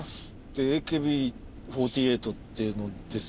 「ＡＫＢ４８っていうのです」